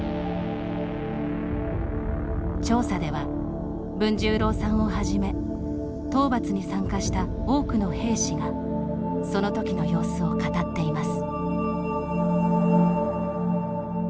調査では、文十郎さんをはじめ討伐に参加した多くの兵士がそのときの様子を語っています。